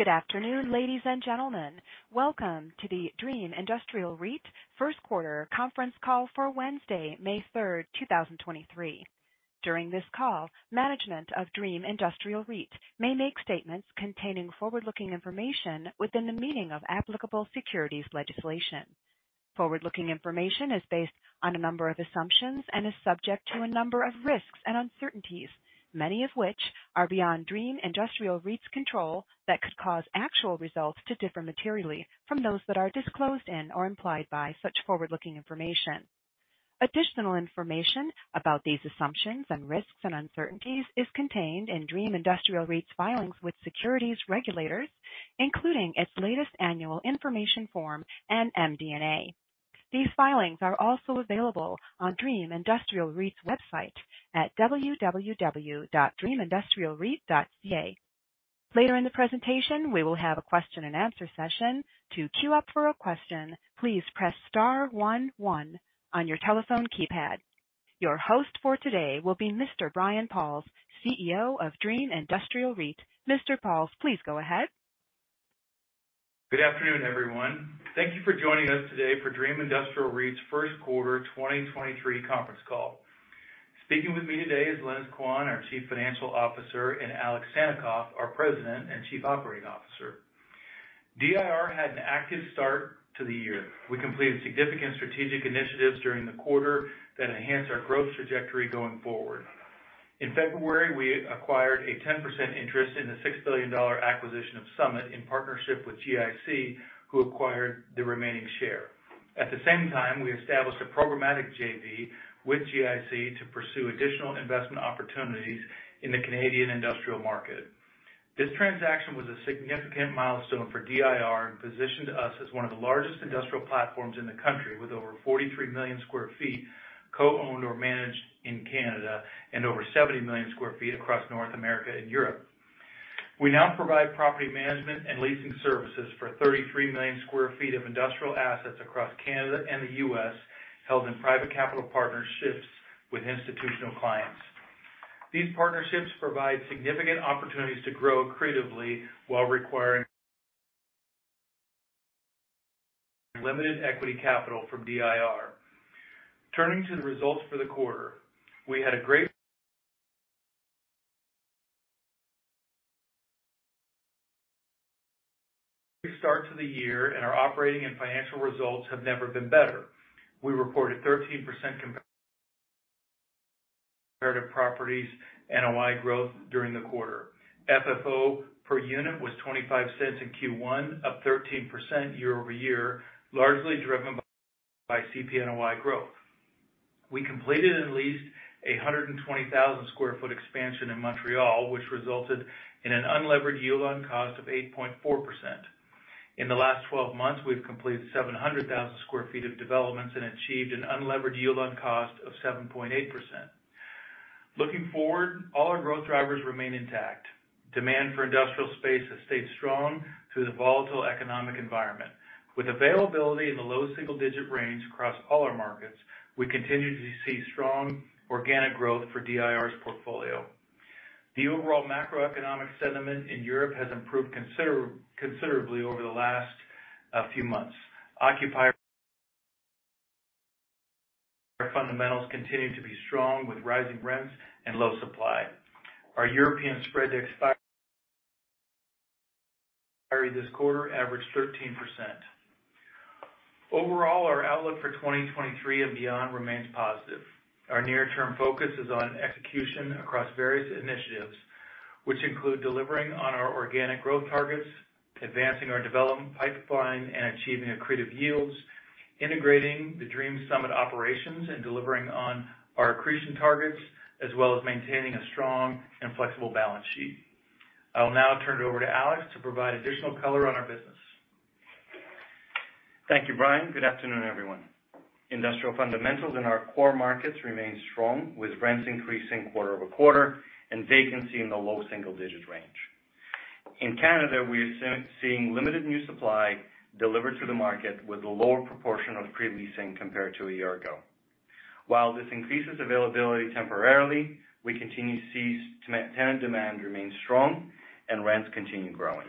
Good afternoon, ladies and gentlemen. Welcome to the Dream Industrial REIT first quarter conference call for Wednesday, 3 May 2023. During this call, management of Dream Industrial REIT may make statements containing forward-looking information within the meaning of applicable securities legislation. Forward-looking information is based on a number of assumptions and is subject to a number of risks and uncertainties, many of which are beyond Dream Industrial REIT's control that could cause actual results to differ materially from those that are disclosed in or implied by such forward-looking information. Additional information about these assumptions and risks and uncertainties is contained in Dream Industrial REIT's filings with securities regulators, including its latest Annual Information Form and MD&A. These filings are also available on Dream Industrial REIT's website at www.dreamindustrialreit.ca. Later in the presentation, we will have a question-and-answer session. To queue up for a question, please press star one, one on your telephone keypad. Your host for today will be Mr. Brian Pauls, CEO of Dream Industrial REIT. Mr. Pauls, please go ahead. Good afternoon, everyone. Thank you for joining us today for Dream Industrial REIT's first quarter 2023 conference call. Speaking with me today is Lenis Quan, our Chief Financial Officer, and Alexander Sannikov, our President and Chief Operating Officer. DIR had an active start to the year. We completed significant strategic initiatives during the quarter that enhanced our growth trajectory going forward. In February, we acquired a 10% interest in the 6 billion dollars acquisition of Summit in partnership with GIC, who acquired the remaining share. At the same time, we established a programmatic JV with GIC to pursue additional investment opportunities in the Canadian industrial market. This transaction was a significant milestone for DIR and positioned us as one of the largest industrial platforms in the country, with over 43 million sq ft co-owned or managed in Canada and over 70 million sq ft across North America and Europe. We now provide property management and leasing services for 33 million sq ft of industrial assets across Canada and the US, held in private capital partnerships with institutional clients. These partnerships provide significant opportunities to grow creatively while requiring limited equity capital from DIR. Turning to the results for the quarter. Our operating and financial results have never been better. We reported 13% comparative properties NOI growth during the quarter. FFO per unit was 0.25 in first quarter, up 13% year-over-year, largely driven by CPNOI growth. We completed and leased a 120,000 sq ft expansion in Montreal, which resulted in an unlevered yield on cost of 8.4%. In the last 12 months, we've completed 700,000 sq ft of developments and achieved an unlevered yield on cost of 7.8%. Looking forward, all our growth drivers remain intact. Demand for industrial space has stayed strong through the volatile economic environment. With availability in the low single-digit range across all our markets, we continue to see strong organic growth for DIR's portfolio. The overall macroeconomic sentiment in Europe has improved considerably over the last few months. Occupier fundamentals continue to be strong with rising rents and low supply. Our European spread expiry this quarter averaged 13%. Overall, our outlook for 2023 and beyond remains positive. Our near-term focus is on execution across various initiatives, which include delivering on our organic growth targets, advancing our development pipeline, and achieving accretive yields, integrating the Dream Summit operations, and delivering on our accretion targets, as well as maintaining a strong and flexible balance sheet. I will now turn it over to Alex to provide additional color on our business. Thank you, Brian. Good afternoon, everyone. Industrial fundamentals in our core markets remain strong, with rents increasing quarter-over-quarter and vacancy in the low single-digit range. In Canada, we are seeing limited new supply delivered to the market with a lower proportion of pre-leasing compared to a year ago. While this increases availability temporarily, we continue to see tenant demand remain strong and rents continue growing.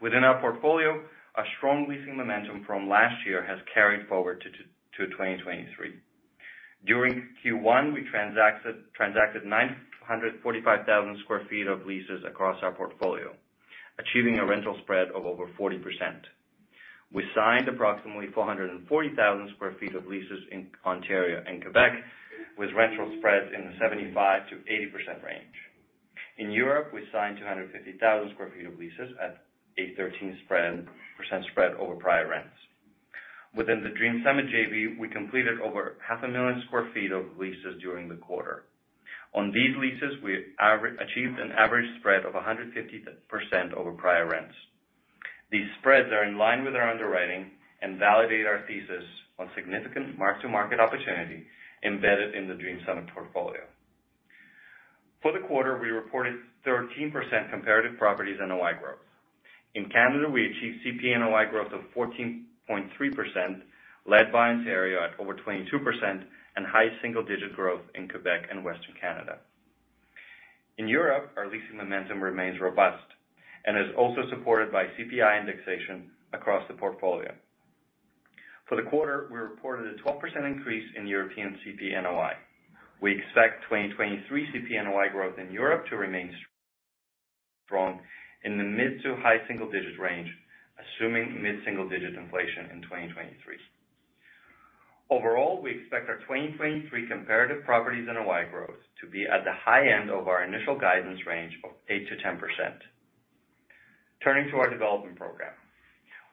Within our portfolio, a strong leasing momentum from last year has carried forward to 2023. During first quarter, we transacted 945,000 sq ft of leases across our portfolio, achieving a rental spread of over 40%. We signed approximately 440,000 sq ft of leases in Ontario and Quebec, with rental spreads in the 75% to 80% range. In Europe, we signed 250,000 sq ft of leases at a 13% spread over prior rents. Within the Dream Summit JV, we completed over half a million sq ft of leases during the quarter. On these leases, we achieved an average spread of 150% over prior rents. These spreads are in line with our underwriting and validate our thesis on significant mark-to-market opportunity embedded in the Dream Summit portfolio. For the quarter, we reported 13% comparative properties NOI growth. In Canada, we achieved CPNOI growth of 14.3%, led by Ontario at over 22% and high single-digit growth in Quebec and Western Canada. In Europe, our leasing momentum remains robust and is also supported by CPI indexation across the portfolio. For the quarter, we reported a 12% increase in European CPNOI. We expect 2023 CPNOI growth in Europe to remain strong in the mid-to-high single-digit range, assuming mid-single-digit inflation in 2023. Overall, we expect our 2023 comparative properties NOI growth to be at the high end of our initial guidance range of 8% to 10%. Turning to our development program.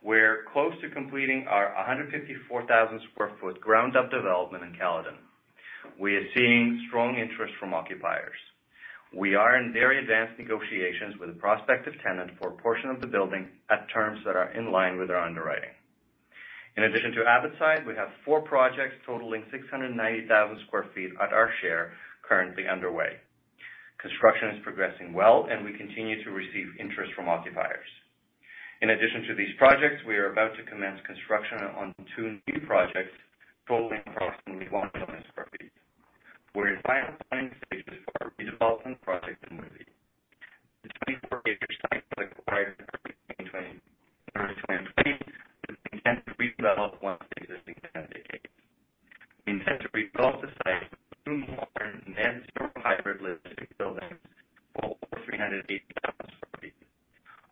We're close to completing our 154,000 sq ft ground up development in Caledon. We are seeing strong interest from occupiers. We are in very advanced negotiations with a prospective tenant for a portion of the building at terms that are in line with our underwriting. In addition to Abbotside, we have four projects totaling 690,000 sq ft at our share currently underway. Construction is progressing well, we continue to receive interest from occupiers. In addition to these projects, we are about to commence construction on two new projects totaling approximately 1 million sq ft. We're in final planning stages for our redevelopment project in Murphy. The 24-acre site was acquired in 2020 with intent to redevelop once the existing tenant vacates. We intend to redevelop the site with two modern net-zero hybrid logistic buildings totaling over 380,000 sq ft.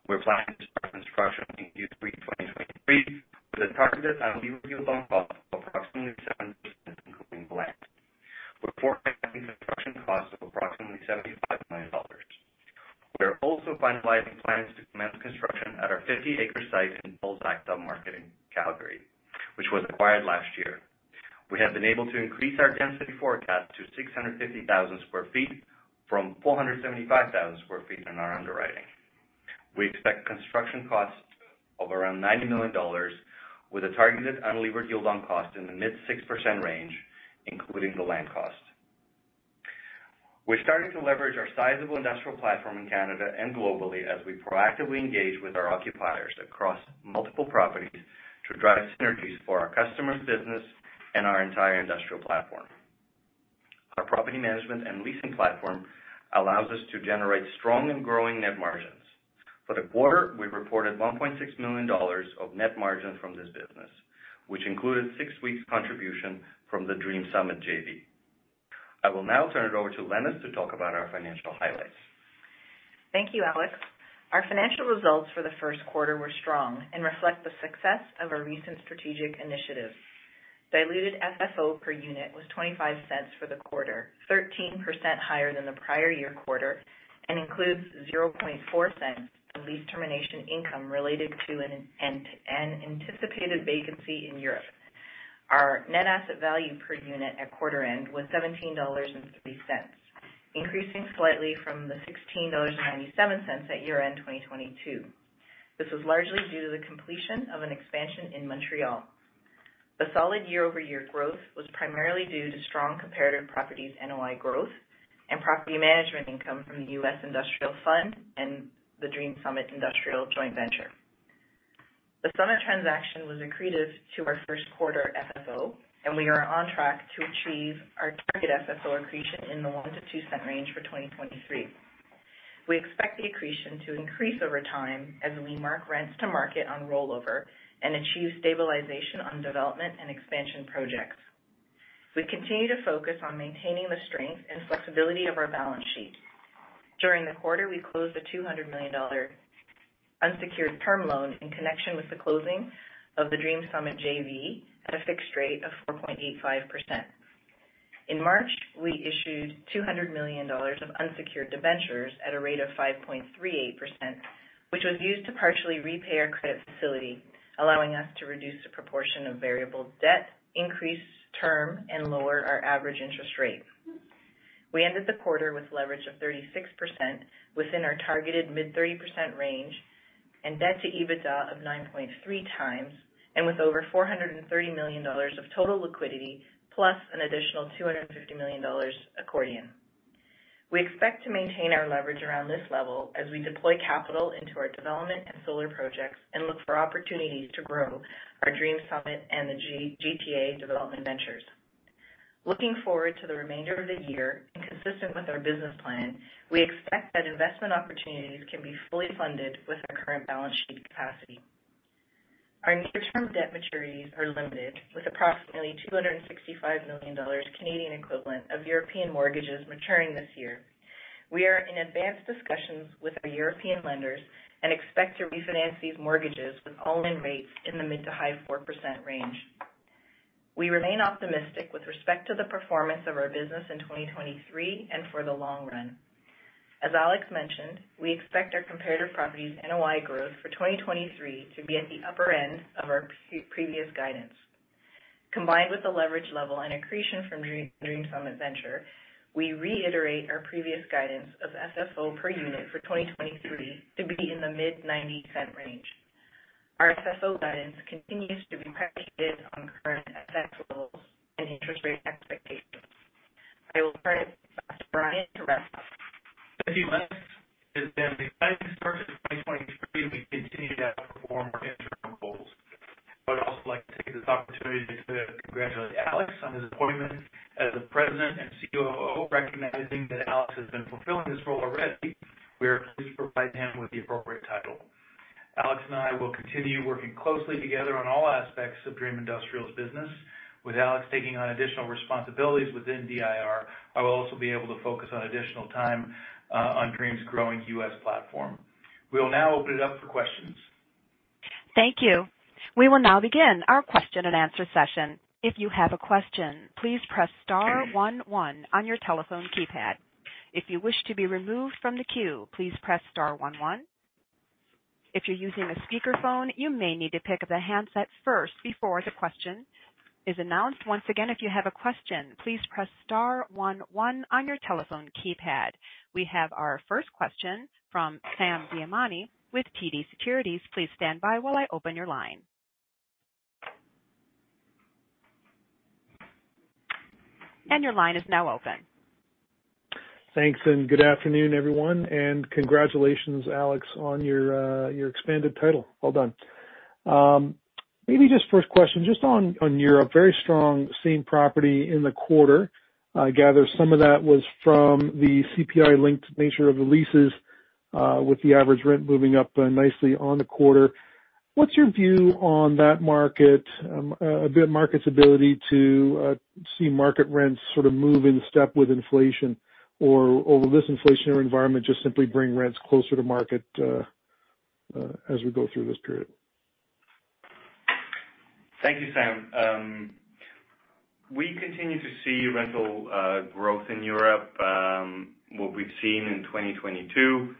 We're planning to start construction in third quarter 2023 with a target of unlevered yield on cost of approximately 7%, including the land. We're forecasting construction costs of approximately CAD 75 million. We're also finalizing plans to commence construction at our 50-acre site in Balzac Submarket in Calgary, which was acquired last year. We have been able to increase our density forecast to 650,000 sq ft from 475,000 sq ft in our underwriting. We expect construction costs of around 90 million dollars with a targeted unlevered yield on cost in the mid-6% range, including the land cost. We're starting to leverage our sizable industrial platform in Canada and globally as we proactively engage with our occupiers across multiple properties to drive synergies for our customers' business and our entire industrial platform. Our property management and leasing platform allows us to generate strong and growing net margins. For the quarter, we reported 1.6 million dollars of net margin from this business, which included six weeks contribution from the Dream Summit JV. I will now turn it over to Lenis to talk about our financial highlights. Thank you, Alex. Our financial results for the first quarter were strong and reflect the success of our recent strategic initiatives. Diluted FFO per unit was 0.25 for the quarter, 13% higher than the prior year quarter, and includes 0.004 of lease termination income related to an anticipated vacancy in Europe. Our net asset value per unit at quarter end was 17.03 dollars, increasing slightly from the 16.97 dollars at year-end 2022. This was largely due to the completion of an expansion in Montreal. The solid year-over-year growth was primarily due to strong comparative properties NOI growth and property management income from the US Industrial Fund and the Dream Summit Industrial Joint Venture. The Summit transaction was accretive to our first quarter FFO, and we are on track to achieve our target FFO accretion in the 0.01 to 0.02 range for 2023. We expect the accretion to increase over time as we mark rents to market on rollover and achieve stabilization on development and expansion projects. We continue to focus on maintaining the strength and flexibility of our balance sheet. During the quarter, we closed a 200 million dollar unsecured term loan in connection with the closing of the Dream Summit JV at a fixed rate of 4.85%. In March, we issued 200 million dollars of unsecured debentures at a rate of 5.38%, which was used to partially repay our credit facility, allowing us to reduce the proportion of variable debt, increase term, and lower our average interest rate. We ended the quarter with leverage of 36% within our targeted mid-30% range and debt to EBITDA of 9.3x and with over 430 million dollars of total liquidity, plus an additional 250 million dollars accordion. We expect to maintain our leverage around this level as we deploy capital into our development and solar projects and look for opportunities to grow our Dream Summit and the G-GTA development ventures. Looking forward to the remainder of the year and consistent with our business plan, we expect that investment opportunities can be fully funded with our current balance sheet capacity. Our near-term debt maturities are limited with approximately 265 million Canadian dollars of European mortgages maturing this year. We are in advanced discussions with our European lenders and expect to refinance these mortgages with all-in rates in the mid to high 4% range. We remain optimistic with respect to the performance of our business in 2023 and for the long run. As Alex mentioned, we expect our comparative properties NOI growth for 2023 to be at the upper end of our previous guidance. Combined with the leverage level and accretion from Dream Summit Venture, we reiterate our previous guidance of FFO per unit for 2023 to be in the mid 0.90 range. Our FFO guidance continues to be predicated on current FX levels and interest rate expectations. I will turn it back to Brian to wrap up. Thank you, Alex. It has been an exciting start to 2023. We continue to outperform our interim goals. I would also like to take this opportunity to congratulate Alex on his appointment as the President and COO. Recognizing that Alex has been fulfilling this role already, we are pleased to provide him with the appropriate title. Alex and I will continue working closely together on all aspects of Dream Industrial's business. With Alex taking on additional responsibilities within DIR, I will also be able to focus on additional time on Dream's growing US platform. We'll now open it up for questions. Thank you. We will now begin our question-and-answer session. If you have a question, please press star one, one on your telephone keypad. If you wish to be removed from the queue, please press star one, one. If you're using a speakerphone, you may need to pick up the handset first before the question is announced. Once again, if you have a question, please press star one, one on your telephone keypad. We have our first question from Sam Damiani with TD Securities. Please stand by while I open your line. Your line is now open. Thanks and good afternoon, everyone, and congratulations, Alex, on your expanded title. Well done. Maybe just first question, just on Europe. Very strong same property in the quarter. I gather some of that was from the CPI-linked nature of the leases, with the average rent moving up nicely on the quarter. What's your view on that market's ability to see market rents sort of move in step with inflation? Will this inflationary environment just simply bring rents closer to market as we go through this period? Thank you, Sam. We continue to see rental growth in Europe, what we've seen in 2022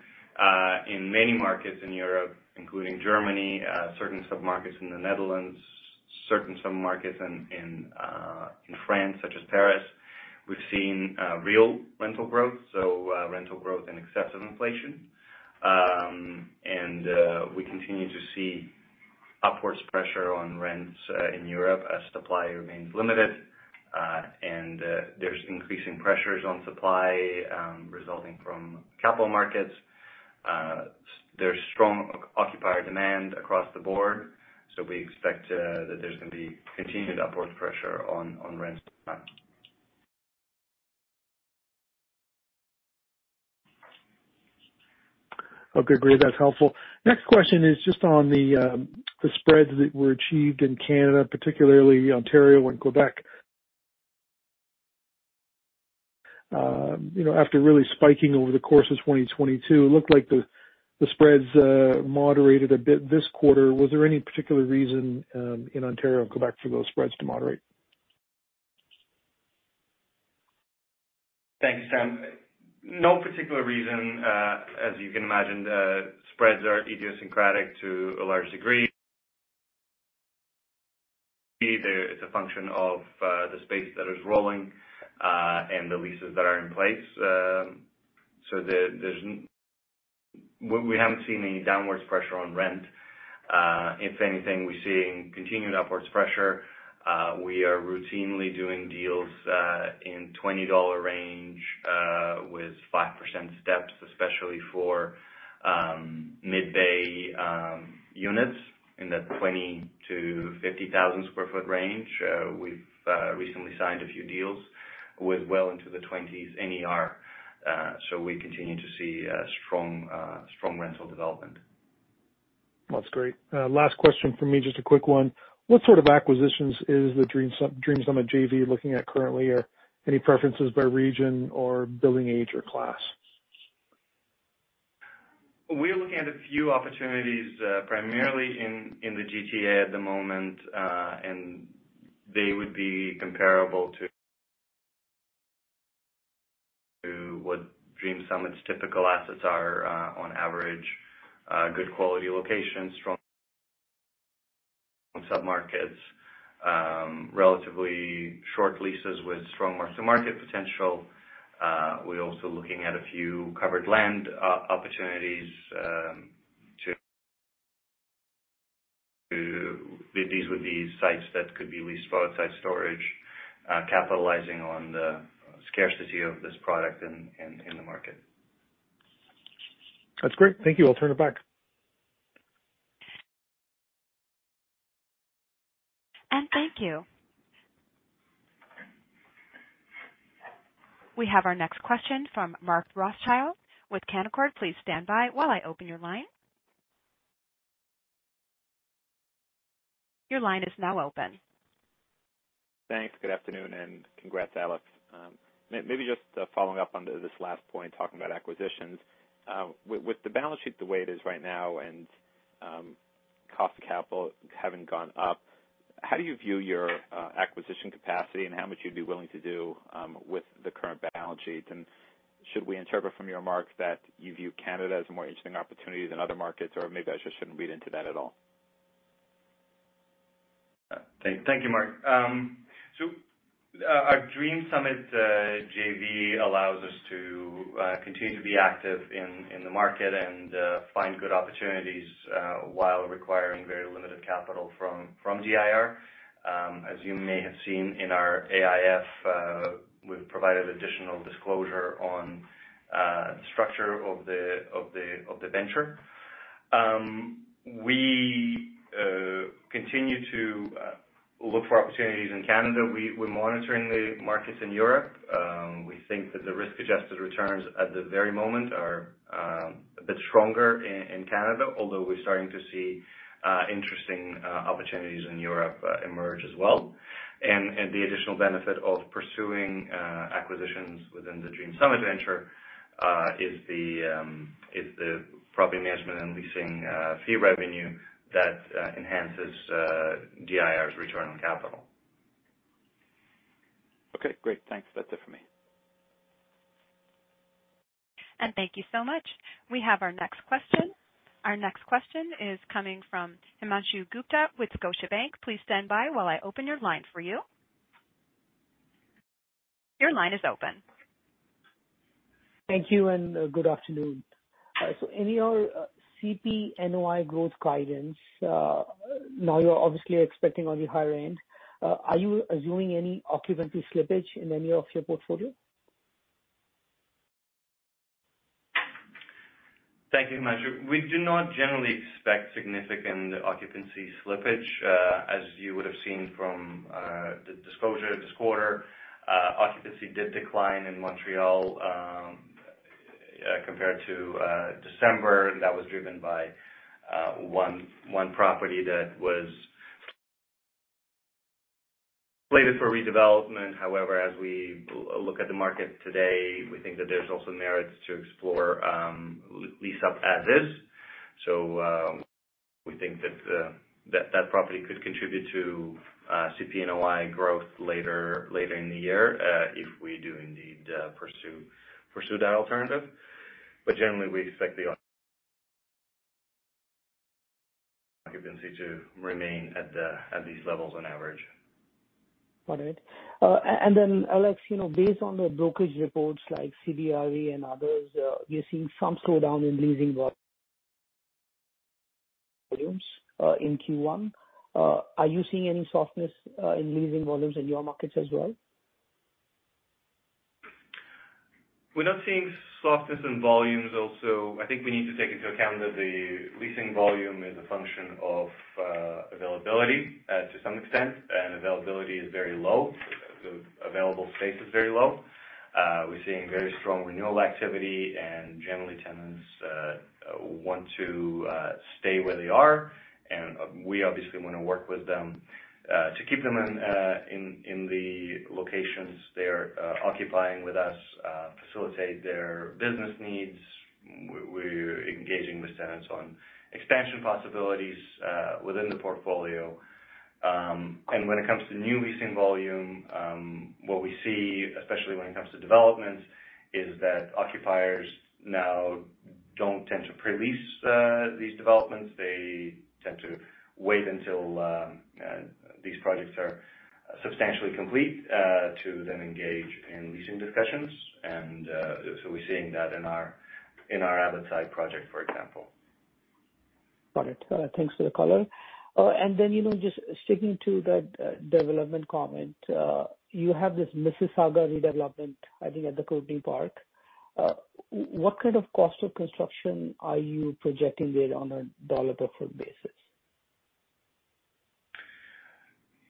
in many markets in Europe, including Germany, certain submarkets in the Netherlands, certain submarkets in France such as Paris. We've seen real rental growth, rental growth in excess of inflation. We continue to see upwards pressure on rents in Europe as supply remains limited. There's increasing pressures on supply resulting from capital markets. There's strong occupier demand across the board. We expect that there's gonna be continued upward pressure on rents. Okay, great. That's helpful. Next question is just on the spreads that were achieved in Canada, particularly Ontario and Quebec. You know, after really spiking over the course of 2022, it looked like the spreads moderated a bit this quarter. Was there any particular reason in Ontario and Quebec for those spreads to moderate? Thanks, Sam. No particular reason. As you can imagine, the spreads are idiosyncratic to a large degree. It's a function of the space that is rolling and the leases that are in place. We haven't seen any downwards pressure on rent. If anything, we're seeing continued upwards pressure. We are routinely doing deals in 20 million dollar range with 5% steps, especially for mid-bay units in the 20,000 to 50,000 sq ft range. We've recently signed a few deals with well into the 20s NER. We continue to see strong rental development. That's great. Last question from me, just a quick one. What sort of acquisitions is the Dream Summit JV looking at currently? Are any preferences by region or building age or class? We're looking at a few opportunities, primarily in the GTA at the moment. They would be comparable to what Dream Summit's typical assets are, on average, good quality locations, strong submarkets, relatively short leases with strong mark-to-market potential. We're also looking at a few covered land opportunities. These would be sites that could be leased for outside storage, capitalizing on the scarcity of this product in the market. That's great. Thank you. I'll turn it back. Thank you. We have our next question from Mark Rothschild with Canaccord. Please stand by while I open your line. Your line is now open. Thanks. Good afternoon and congrats, Alex. Maybe just following up on to this last point talking about acquisitions, with the balance sheet the way it is right now and cost of capital having gone up, how do you view your acquisition capacity and how much you'd be willing to do with the current balance sheet? Should we interpret from your remarks that you view Canada as a more interesting opportunity than other markets, or maybe I just shouldn't read into that at all? Thank you, Mark. Our Dream Summit JV allows us to continue to be active in the market and find good opportunities while requiring very limited capital from DIR. As you may have seen in our AIF, we've provided additional disclosure on the structure of the venture. We continue to look for opportunities in Canada. We're monitoring the markets in Europe. We think that the risk-adjusted returns at the very moment are a bit stronger in Canada, although we're starting to see interesting opportunities in Europe emerge as well. The additional benefit of pursuing acquisitions within the Dream Summit venture is the property management and leasing fee revenue that enhances DIR's return on capital. Okay, great. Thanks. That's it for me. Thank you so much. We have our next question. Our next question is coming from Himanshu Gupta with Scotiabank. Please stand by while I open your line for you. Your line is open. Thank you, good afternoon. In your CPNOI growth guidance, now you're obviously expecting on the higher end, are you assuming any occupancy slippage in any of your portfolio? Thank you, Himanshu. We do not generally expect significant occupancy slippage. As you would have seen from the disclosure this quarter, occupancy did decline in Montreal, compared to December. That was driven by one property that was slated for redevelopment. As we look at the market today, we think that there's also merits to explore, lease up as is. We think that property could contribute to CP NOI growth later in the year, if we do indeed pursue that alternative. Generally, we expect the occupancy to remain at these levels on average. Got it. Then Alex, you know, based on the brokerage reports like CBRE and others, you're seeing some slowdown in leasing volumes, in first quarter. Are you seeing any softness, in leasing volumes in your markets as well? We're not seeing softness in volumes. I think we need to take into account that the leasing volume is a function of availability to some extent, and availability is very low. The available space is very low. We're seeing very strong renewal activity, and generally, tenants want to stay where they are, and we obviously wanna work with them to keep them in the locations they are occupying with us, facilitate their business needs. We're engaging with tenants on expansion possibilities within the portfolio. When it comes to new leasing volume, what we see, especially when it comes to developments, is that occupiers now don't tend to pre-lease these developments. They tend to wait until these projects are substantially complete to then engage in leasing discussions. We're seeing that in our, in our Abbotside project, for example. Got it. Thanks for the color. You know, just sticking to that development comment, you have this Mississauga redevelopment, I think at the Courtney Park. What kind of cost of construction are you projecting there on a CAD 1 per ft basis?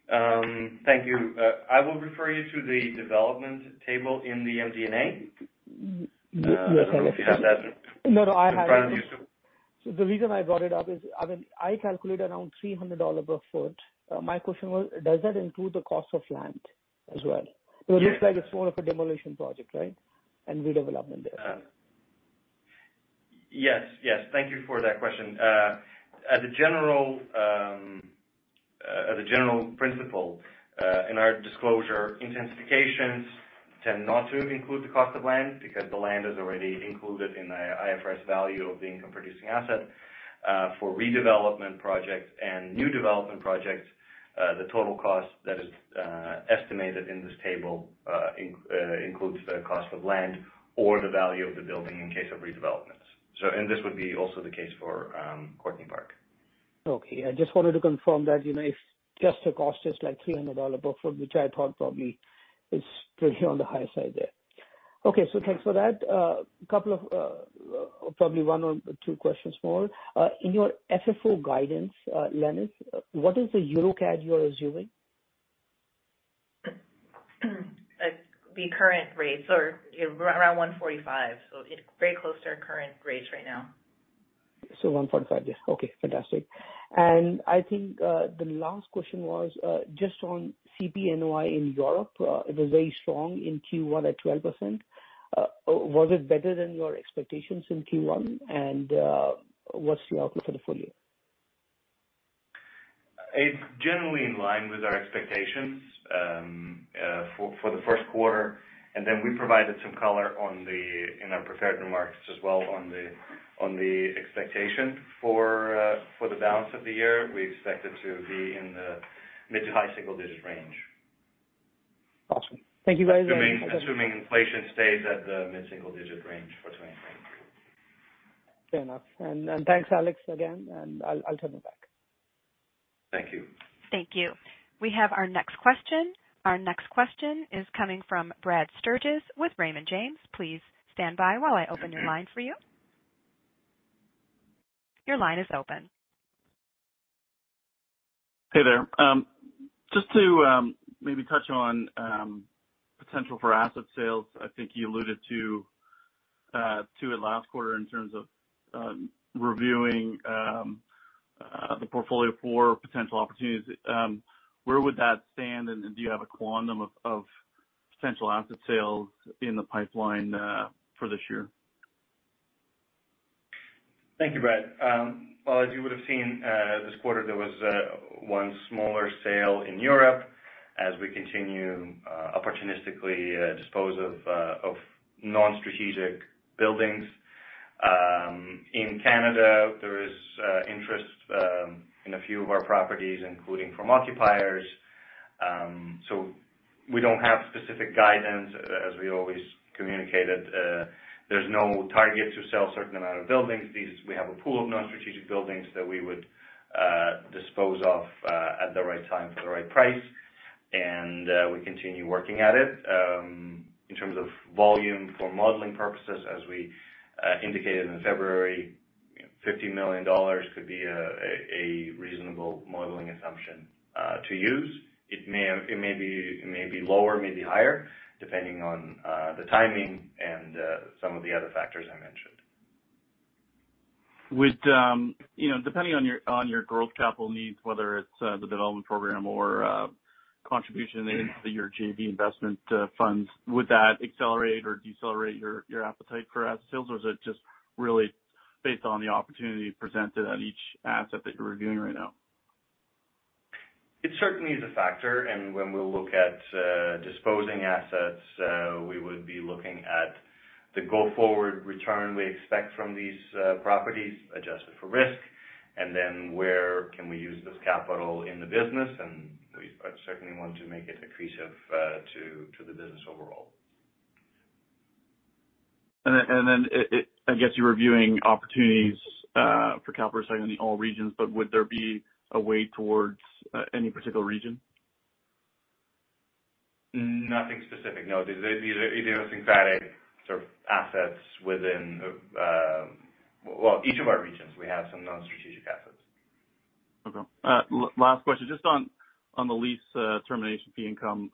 Thank you. I will refer you to the development table in the MD&A. Yes, I looked at it. If you have that in front of you. No, no, I have it. The reason I brought it up is, I mean, I calculate around 300 dollars per ft. My question was, does that include the cost of land as well? Yes. It looks like it's more of a demolition project, right? Redevelopment there. Yes, yes. Thank you for that question. As a general principle, in our disclosure, intensifications tend not to include the cost of land because the land is already included in the IFRS value of the income-producing asset. For redevelopment projects and new development projects, the total cost that is estimated in this table includes the cost of land or the value of the building in case of redevelopments. So. This would be also the case for Courtney Park. Okay. I just wanted to confirm that, you know, if just the cost is like 300 dollar per ft, which I thought probably is probably on the higher side there. Thanks for that. A couple of, probably one or two questions more. In your FFO guidance, Lenis, what is the Euro CAD you are assuming? The current rates are around 145, so it's very close to our current rates right now. 145. Yes, okay, fantastic. I think the last question was just on CP NOI in Europe. It was very strong in first quarter at 12%. Was it better than your expectations in first quarter? What's the outlook for the full year? It's generally in line with our expectations, for the first quarter. We provided some color in our prepared remarks as well on the expectation for the balance of the year. We expect it to be in the mid to high single digit range. Awesome. Thank you guys. Assuming inflation stays at the mid-single digit range for 2023. Fair enough. Thanks Alex again, and I'll turn it back. Thank you. Thank you. We have our next question. Our next question is coming from Brad Sturges with Raymond James. Please stand by while I open your line for you. Your line is open. Hey there. Just to maybe touch on potential for asset sales. I think you alluded to it last quarter in terms of reviewing the portfolio for potential opportunities. Where would that stand? Do you have a quantum of potential asset sales in the pipeline for this year? Thank you, Brad. Well, as you would have seen, this quarter, there was one smaller sale in Europe as we continue opportunistically dispose of non-strategic buildings. In Canada, there is interest in a few of our properties, including from occupiers. We don't have specific guidance as we always communicated. There's no target to sell certain amount of buildings. We have a pool of non-strategic buildings that we would dispose of at the right time for the right price. We continue working at it. In terms of volume for modeling purposes, as we indicated in February, 50 million dollars could be a reasonable modeling assumption to use.It may be lower, it may be higher, depending on the timing and some of the other factors I mentioned. Would, you know, depending on your, on your growth capital needs, whether it's, the development program or, contribution into your JV investment, funds, would that accelerate or decelerate your appetite for asset sales? Or is it just really based on the opportunity presented at each asset that you're reviewing right now? It certainly is a factor. When we look at, disposing assets, we would be looking at the go-forward return we expect from these, properties, adjusted for risk, and then where can we use this capital in the business. We certainly want to make it accretive, to the business overall. Then I guess you're reviewing opportunities for capital recycling in all regions, but would there be a weight towards any particular region? Nothing specific, no. The either thing that Sort of assets within Well, each of our regions, we have some non-strategic assets. Okay. last question, just on the lease termination fee income.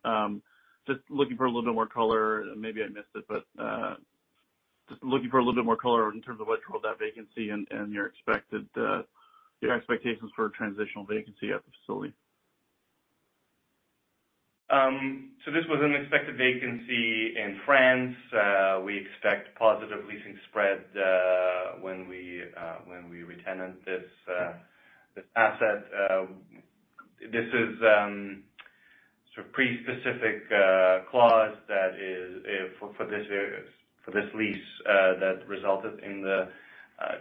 Just looking for a little bit more color, maybe I missed it, but just looking for a little bit more color in terms of electrical debt vacancy and your expected your expectations for transitional vacancy at the facility. This was an expected vacancy in France. We expect positive leasing spread when we retenant this asset. This is, sort of pre-specific, clause that is, for this lease, that resulted in the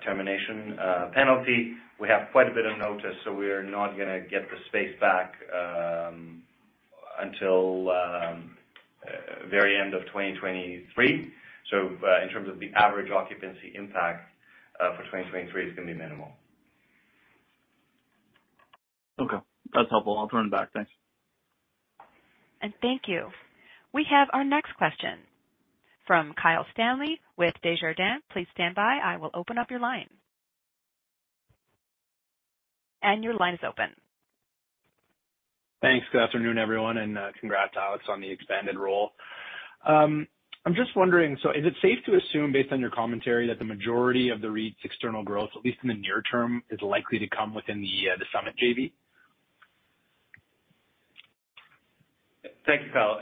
termination penalty. We have quite a bit of notice, so we are not going to get the space back until very end of 2023. In terms of the average occupancy impact for 2023, it's going to be minimal. Okay. That's helpful. I'll turn it back. Thanks. Thank you. We have our next question from Kyle Stanley with Desjardins. Please stand by. I will open up your line. Your line is open. Thanks. Good afternoon, everyone. Congrats, Alex, on the expanded role. I'm just wondering, is it safe to assume, based on your commentary, that the majority of the REIT's external growth, at least in the near term, is likely to come within the Summit JV? Thank you, Kyle.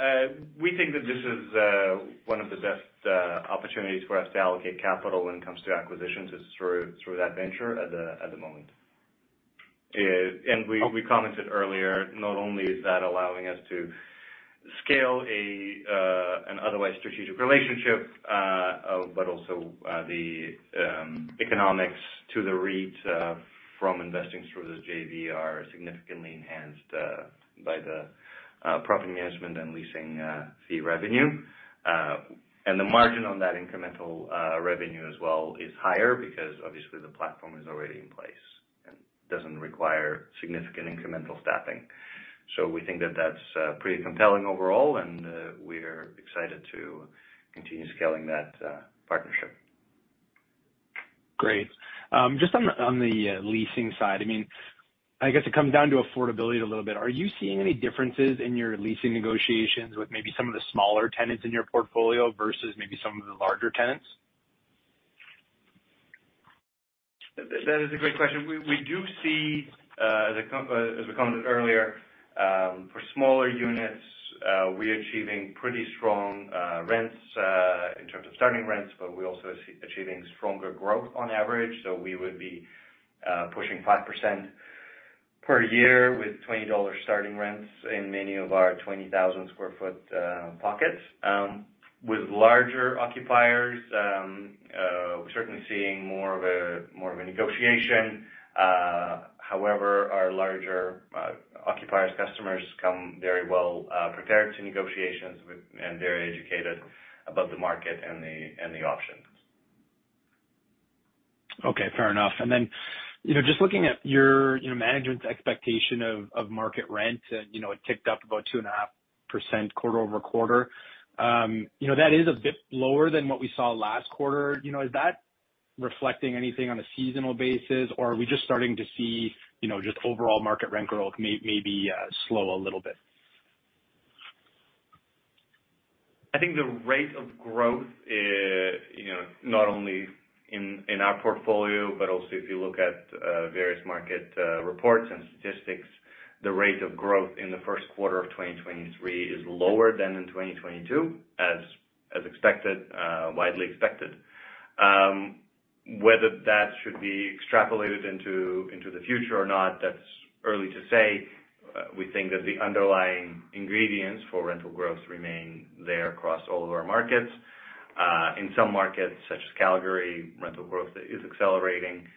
We think that this is one of the best opportunities for us to allocate capital when it comes to acquisitions is through that venture at the moment. We commented earlier, not only is that allowing us to scale an otherwise strategic relationship, but also the economics to the REIT from investing through this JV are significantly enhanced by the property management and leasing fee revenue. The margin on that incremental revenue as well is higher because obviously the platform is already in place and doesn't require significant incremental staffing. We think that that's pretty compelling overall, and we're excited to continue scaling that partnership. Great. Just on the, on the leasing side, I mean, I guess it comes down to affordability a little bit. Are you seeing any differences in your leasing negotiations with maybe some of the smaller tenants in your portfolio versus maybe some of the larger tenants? That is a great question. We do see as we commented earlier, for smaller units, we're achieving pretty strong rents in terms of starting rents, but we're also achieving stronger growth on average. We would be pushing 5% per year with 20 million dollars starting rents in many of our 20,000 sq ft pockets. With larger occupiers, we're certainly seeing more of a negotiation. However, our larger occupiers customers come very well prepared to negotiations and very educated about the market and the, and the options. Okay. Fair enough. You know, just looking at your, you know, management's expectation of market rent and, you know, it ticked up about 2.5% quarter-over-quarter. You know, that is a bit lower than what we saw last quarter. You know, is that reflecting anything on a seasonal basis or are we just starting to see, you know, just overall market rent growth maybe slow a little bit? I think the rate of growth is, you know, not only in our portfolio, but also if you look at various market reports and statistics, the rate of growth in the first quarter of 2023 is lower than in 2022, as expected, widely expected. Whether that should be extrapolated into the future or not, that's early to say. We think that the underlying ingredients for rental growth remain there across all of our markets. In some markets, such as Calgary, rental growth is accelerating,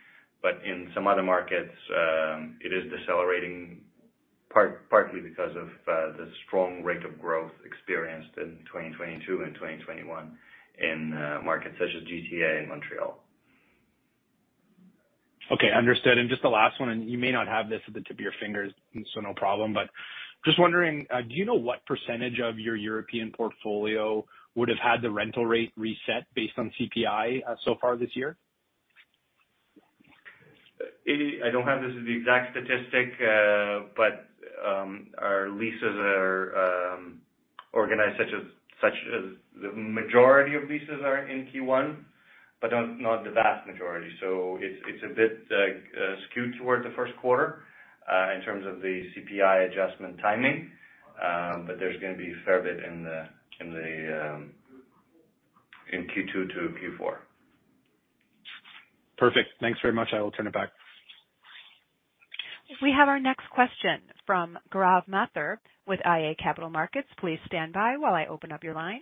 but in some other markets, it is decelerating partly because of the strong rate of growth experienced in 2022 and 2021 in markets such as GTA and Montreal. Okay, understood. Just the last one, and you may not have this at the tip of your fingers, so no problem. Just wondering, do you know what percentage of your European portfolio would have had the rental rate reset based on CPI so far this year? I don't have this as the exact statistic, but our leases are organized such as the majority of leases are in first quarter, but not the vast majority. It's a bit skewed towards the first quarter in terms of the CPI adjustment timing. There's gonna be a fair bit in the in second quarter to fourth quarter. Perfect. Thanks very much. I will turn it back. We have our next question from Gaurav Mathur with iA Capital Markets. Please stand by while I open up your line.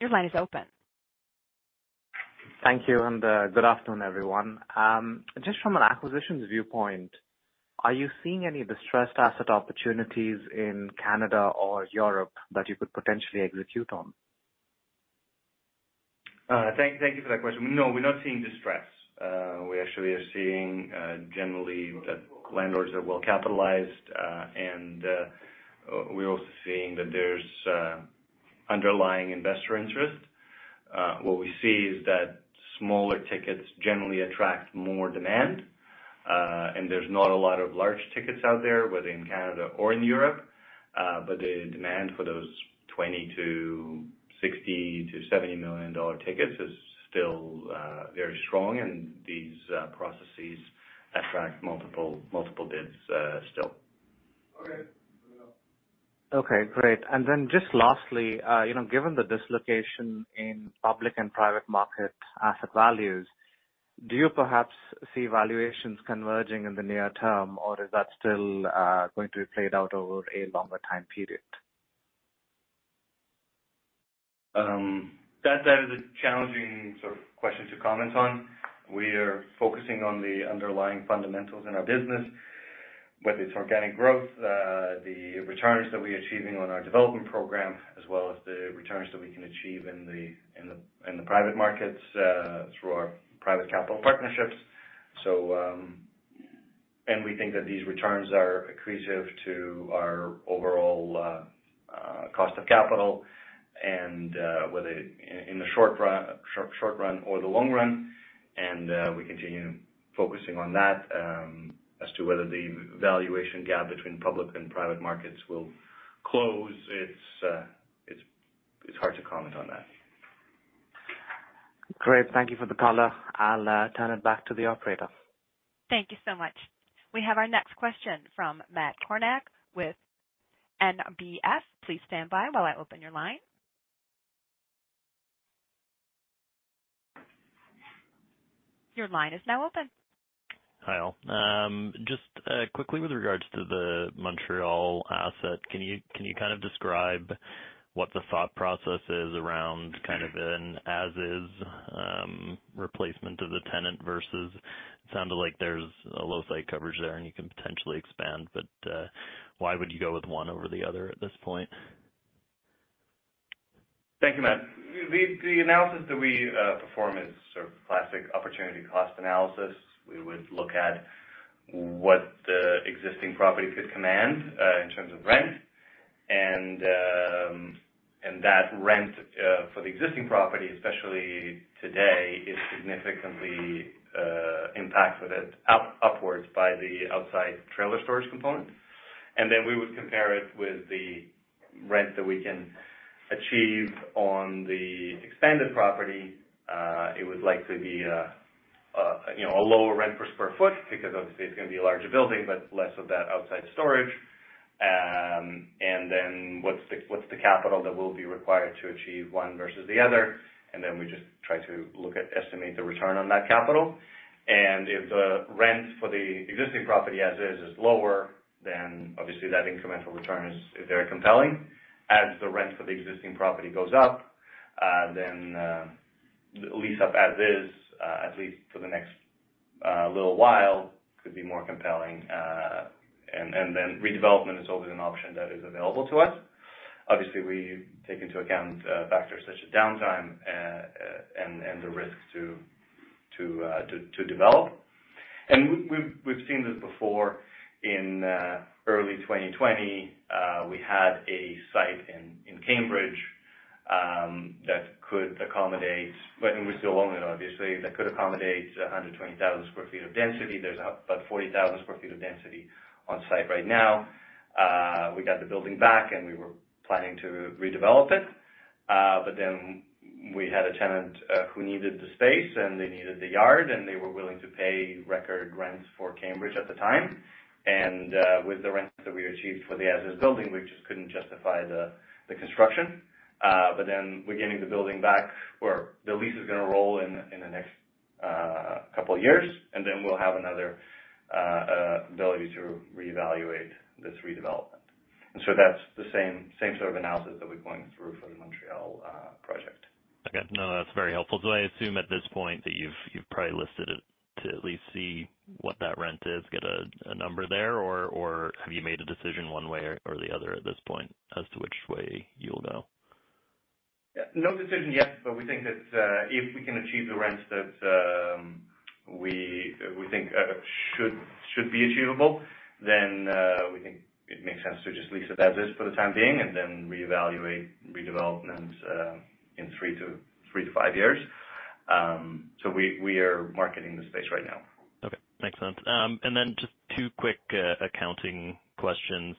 Your line is open. Thank you. Good afternoon, everyone. Just from an acquisitions viewpoint, are you seeing any distressed asset opportunities in Canada or Europe that you could potentially execute on? Thank you for that question. No, we're not seeing distress. We actually are seeing generally that landlords are well capitalized, and we're also seeing that there's underlying investor interest. What we see is that smaller tickets generally attract more demand, and there's not a lot of large tickets out there, whether in Canada or in Europe. The demand for those 20 to 60 to 70 million tickets is still very strong and these processes attract multiple bids still. Okay, great. Then just lastly, you know, given the dislocation in public and private market asset values, do you perhaps see valuations converging in the near term, or is that still going to be played out over a longer time period? That is a challenging sort of question to comment on. We are focusing on the underlying fundamentals in our business, whether it's organic growth, the returns that we're achieving on our development program as well as the returns that we can achieve in the private markets, through our private capital partnerships. We think that these returns are accretive to our overall cost of capital and whether in the short run or the long run, and we continue focusing on that. As to whether the valuation gap between public and private markets will close, it's hard to comment on that. Great. Thank you for the color. I'll turn it back to the operator. Thank you so much. We have our next question from Matt Kornack with NBF. Please stand by while I open your line. Your line is now open. Hi all. Just quickly with regards to the Montreal asset, can you kind of describe what the thought process is around kind of an as is, replacement of the tenant versus it sounded like there's a low site coverage there and you can potentially expand, but, why would you go with one over the other at this point? Thank you, Matt. The analysis that we perform is sort of classic opportunity cost analysis. We would look at what the existing property could command in terms of rent. That rent for the existing property, especially today, is significantly impacted upwards by the outside trailer storage component. We would compare it with the rent that we can achieve on the expanded property. It would likely be, you know, a lower rent per square foot because obviously it's gonna be a larger building, but less of that outside storage. What's the capital that will be required to achieve one versus the other? We just try to estimate the return on that capital. If the rent for the existing property as is is lower, then obviously that incremental return is very compelling. As the rent for the existing property goes up, then lease up as is, at least for the next little while, could be more compelling. Then redevelopment is always an option that is available to us. Obviously, we take into account factors such as downtime, and the risk to develop. We've seen this before. In early 2020, we had a site in Cambridge that could accommodate. But we still own it, obviously, that could accommodate 120,000 sq ft of density. There's about 40,000 sq ft of density on site right now. We got the building back, and we were planning to redevelop it. We had a tenant who needed the space, and they needed the yard, and they were willing to pay record rents for Cambridge at the time. With the rents that we achieved for the as-is building, we just couldn't justify the construction. We're getting the building back, or the lease is gonna roll in the next couple of years, and then we'll have another ability to reevaluate this redevelopment. That's the same sort of analysis that we're going through for the Montreal project. Okay. No, that's very helpful. I assume at this point that you've probably listed it to at least see what that rent is, get a number there, or have you made a decision one way or the other at this point as to which way you'll go? No decision yet, but we think that if we can achieve the rents that we think should be achievable, then we think it makes sense to just lease it as is for the time being and then reevaluate redevelopment in three to five years. We are marketing the space right now. Okay. Makes sense. Then just two quick accounting questions.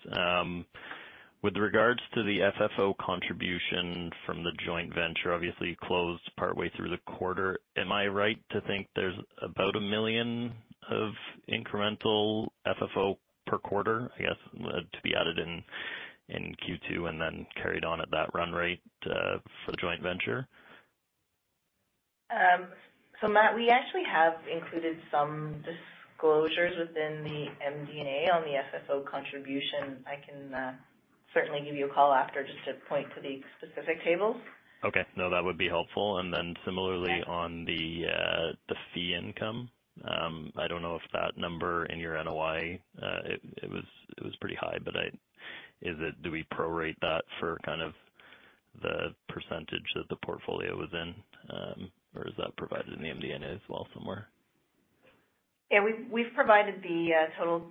With regards to the FFO contribution from the joint venture obviously closed partway through the quarter, am I right to think there's about 1 million of incremental FFO per quarter, I guess, to be added in second quarter and then carried on at that run rate for the joint venture? Matt, we actually have included some disclosures within the MD&A on the FFO contribution. I can certainly give you a call after just to point to the specific tables. Okay. No, that would be helpful. Similarly on the fee income, I don't know if that number in your NOI, it was pretty high. Do we prorate that for kind of the percentage that the portfolio was in, or is that provided in the MD&A as well somewhere? Yeah. We've provided the total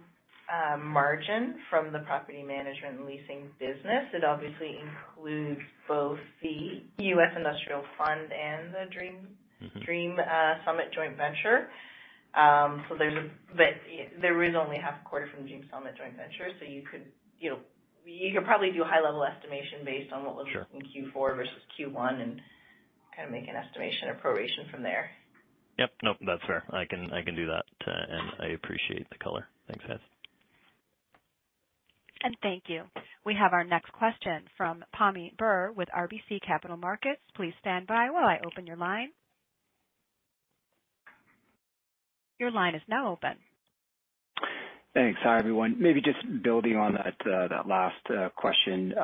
margin from the property management and leasing business. It obviously includes both the US Industrial Fund and the Dream... Mm-hmm. Dream Summit Joint Venture. But there is only half a quarter from Dream Summit Joint Venture. You could, you know, you could probably do a high-level estimation based on what was... Sure. In fourth quarter versus first quarter and kind of make an estimation or proration from there. Yep. Nope. That's fair. I can do that, and I appreciate the color. Thanks, guys. Thank you. We have our next question from Pammi Bir with RBC Capital Markets. Please stand by while I open your line. Your line is now open. Thanks. Hi, everyone. Maybe just building on that last question.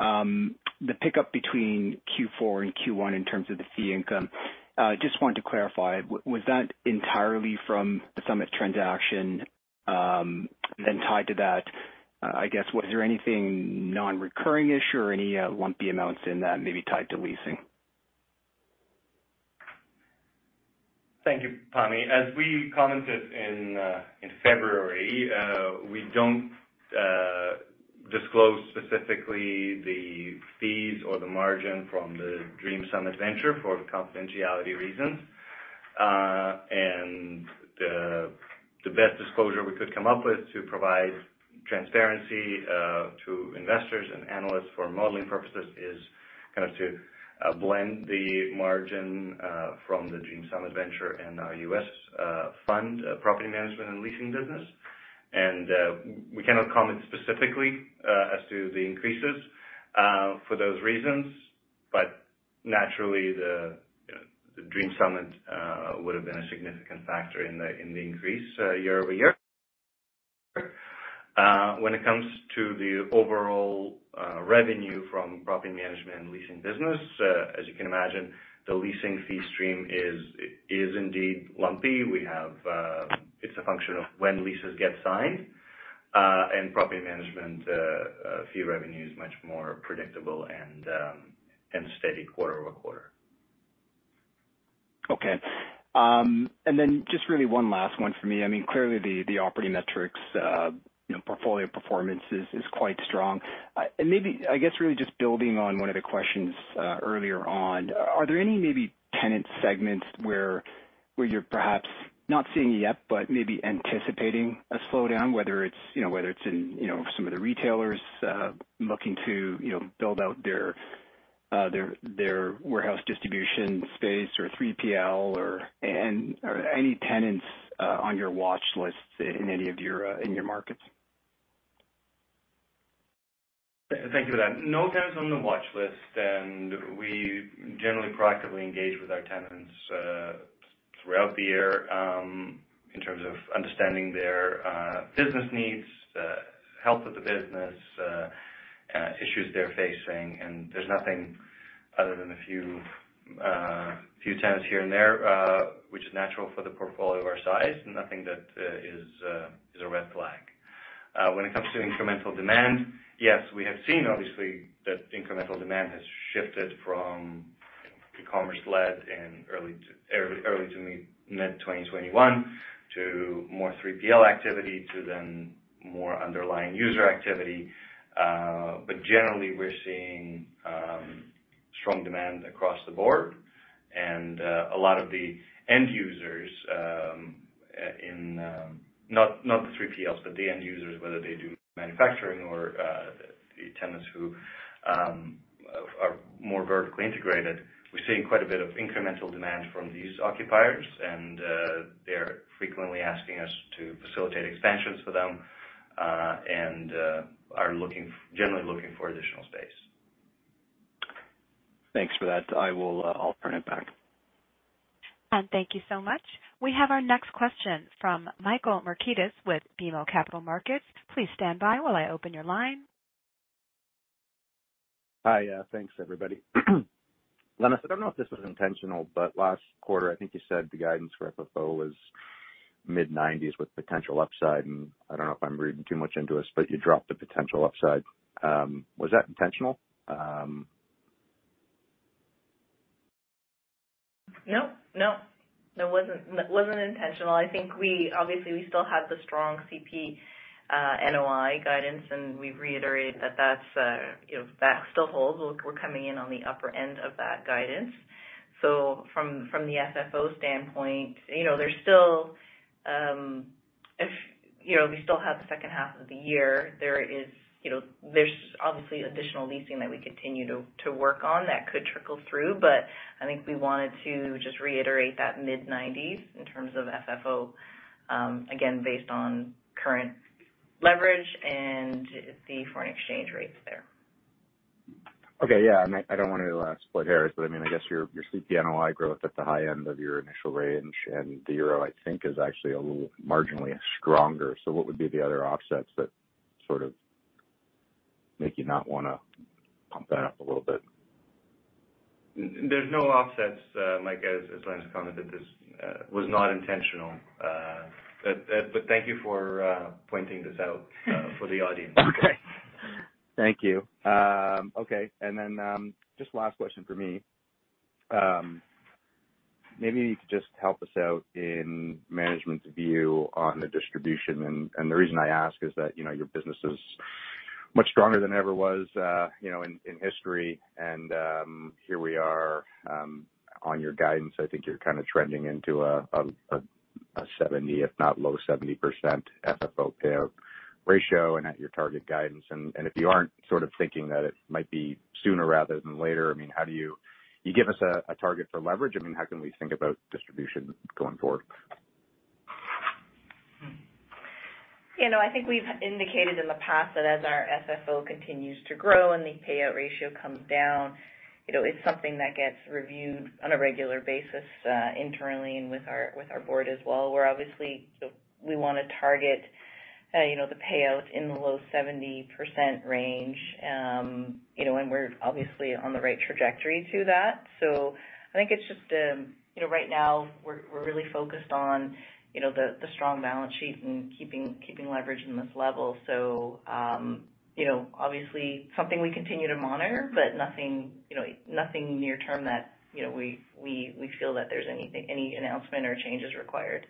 The pickup between fourth quarter and first quarter in terms of the fee income, just wanted to clarify, was that entirely from the Summit transaction? Tied to that, I guess, was there anything non-recurring-ish or any lumpy amounts in that maybe tied to leasing? Thank you, Pammi. As we commented in February, we don't disclose specifically the fees or the margin from the Dream Summit venture for confidentiality reasons. The best disclosure we could come up with to provide transparency to investors and analysts for modeling purposes is kind of to blend the margin from the Dream Summit venture and our US fund property management and leasing business. We cannot comment specifically as to the increases for those reasons. Naturally, the Dream Summit would have been a significant factor in the increase year-over-year. When it comes to the overall revenue from property management and leasing business, as you can imagine, the leasing fee stream is indeed lumpy. We have, it's a function of when leases get signed. Property management, fee revenue is much more predictable and steady quarter-over-quarter. Okay. Then just really one last one for me. I mean, clearly the operating metrics, you know, portfolio performance is quite strong. Maybe, I guess, really just building on one of the questions earlier on, are there any maybe tenant segments where you're perhaps not seeing it yet, but maybe anticipating a slowdown, whether it's, you know, whether it's in, you know, some of the retailers looking to, you know, build out their warehouse distribution space or 3PL or/and any tenants on your watch list in any of your in your markets? Thank you for that. No tenants on the watch list, we generally proactively engage with our tenants throughout the year in terms of understanding their business needs, health of the business, issues they're facing. There's nothing other than a few tenants here and there, which is natural for the portfolio of our size. Nothing that is a red flag. When it comes to incremental demand, yes, we have seen obviously that incremental demand has shifted from e-commerce led in early to mid-2021, to more 3PL activity to then more underlying user activity. Generally we're seeing strong demand across the board. A lot of the end users in not the 3PLs, but the end users, whether they do manufacturing or the tenants who are more vertically integrated. We're seeing quite a bit of incremental demand from these occupiers, and they're frequently asking us to facilitate expansions for them, and are generally looking for additional space. Thanks for that. I'll turn it back. Thank you so much. We have our next question from Michael Markidis with BMO Capital Markets. Please stand by while I open your line. Hi. Thanks everybody. Lenis, I don't know if this was intentional. Last quarter, I think you said the guidance for FFO was mid-nineties with potential upside. I don't know if I'm reading too much into this, you dropped the potential upside. Was that intentional? No, no. That wasn't intentional. I think obviously, we still have the strong CP NOI guidance, and we've reiterated that that's, you know, that still holds. We're coming in on the upper end of that guidance. From the FFO standpoint, you know, there's still, you know, we still have the second half of the year. There is, you know, there's obviously additional leasing that we continue to work on that could trickle through. But I think we wanted to just reiterate that mid-nineties in terms of FFO, again, based on current leverage and the foreign exchange rates there. Okay. Yeah. I mean, I don't wanna split hairs, but I mean, I guess your CPNOI growth at the high end of your initial range and the euro I think is actually a little marginally stronger. What would be the other offsets that sort of make you not wanna pump that up a little bit? There's no offsets, Mike, as Lenis commented, this was not intentional. Thank you for pointing this out for the audience. Okay. Thank you. Okay. Then, just last question from me. Maybe you could just help us out in management's view on the distribution. The reason I ask is that, you know, your business is much stronger than it ever was, you know, in history. Here we are on your guidance, I think you're kinda trending into a 70 if not low 70% FFO payout ratio and at your target guidance. If you aren't sort of thinking that it might be sooner rather than later, I mean, how do you Can you give us a target for leverage? I mean, how can we think about distribution going forward? You know, I think we've indicated in the past that as our FFO continues to grow and the payout ratio comes down, you know, it's something that gets reviewed on a regular basis, internally and with our board as well. We obviously want to target, you know, the payout in the low 70% range. You know, and we're obviously on the right trajectory to that. I think it's just, you know, right now we're really focused on, you know, the strong balance sheet and keeping leverage in this level. You know, obviously something we continue to monitor, but nothing, you know, nothing near term that, you know, we feel that there's anything, any announcement or changes required.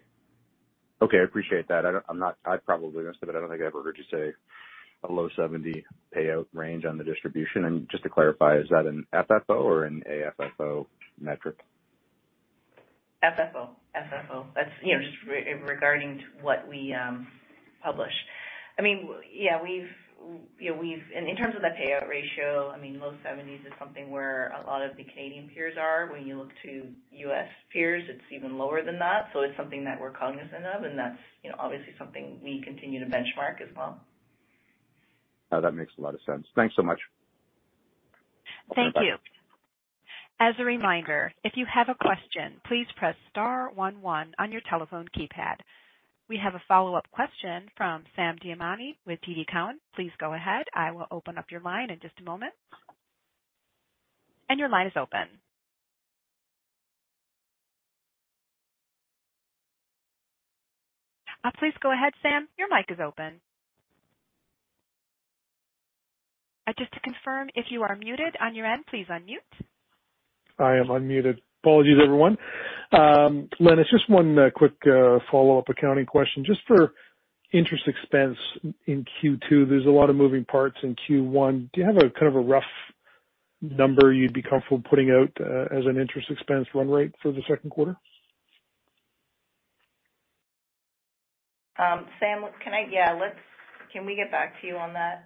I appreciate that. I probably missed it, but I don't think I've ever heard you say a low 70 payout range on the distribution. Just to clarify, is that an FFO or an AFFO metric? FFO. That's, you know, just regarding what we publish. In terms of the payout ratio, I mean, low seventies is something where a lot of the Canadian peers are. When you look to US peers, it's even lower than that. It's something that we're cognizant of, and that's, you know, obviously something we continue to benchmark as well. That makes a lot of sense. Thanks so much. Thank you. As a reminder, if you have a question, please press star one, one on your telephone keypad. We have a follow-up question from Sam Damiani with TD Cowen. Please go ahead. I will open up your line in just a moment. Your line is open. Please go ahead, Sam. Your mic is open. Just to confirm, if you are muted on your end, please unmute. I am unmuted. Apologies everyone. Lenis, just one quick follow-up accounting question. Just for interest expense in second quarter, there's a lot of moving parts in first quarter. Do you have a kind of a rough number you'd be comfortable putting out, as an interest expense run rate for the second quarter? Sam, Can we get back to you on that?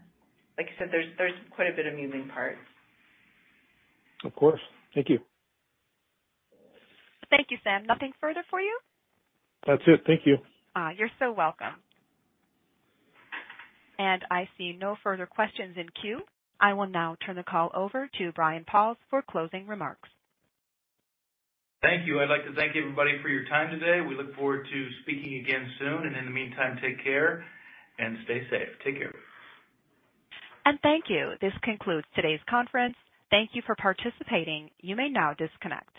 Like I said, there's quite a bit of moving parts. Of course. Thank you. Thank you, Sam. Nothing further from you? That's it. Thank you. You're so welcome. I see no further questions in queue. I will now turn the call over to Brian Pauls for closing remarks. Thank you. I'd like to thank everybody for your time today. We look forward to speaking again soon. In the meantime, take care and stay safe. Take care. Thank you. This concludes today's conference. Thank you for participating. You may now disconnect.